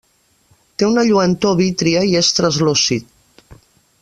Té una lluentor vítria i és translúcid.